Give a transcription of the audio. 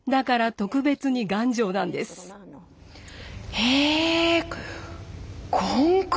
へえ！